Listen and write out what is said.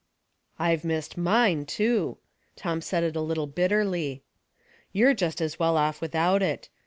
*' Pve missed mine^ too." Tom said it a little bitterly. " You're just as well off without it.